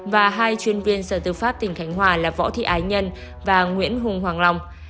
và hai chuyên viên sở tư pháp tỉnh khánh hòa là võ thị ái nhân và nguyễn hùng hoàng long